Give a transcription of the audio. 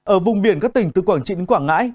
ở vùng biển các tỉnh từ quảng trị đến quảng ngãi